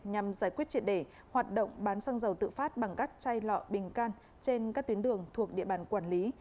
nhằm giải quyết triệt để hoạt động bán xăng dầu tự phát bằng các chai lọ bình can trên các tuyến đường thuộc địa bàn quản lý